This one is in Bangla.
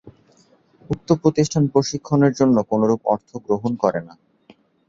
উক্ত প্রতিষ্ঠান প্রশিক্ষণের জন্য কোনোরূপ অর্থ গ্রহণ করে না।